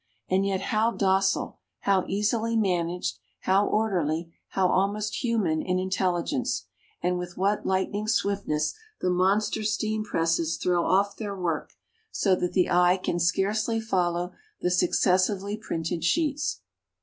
And yet how docile, how easily managed, how orderly, how almost human in intelligence, and with what lightning swiftness the monster steam presses throw off their work, so that the eye can scarcely follow the successively printed sheets!